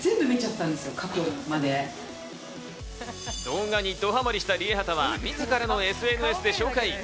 動画にドハマりしたＲＩＥＨＡＴＡは自らのＳＮＳで紹介。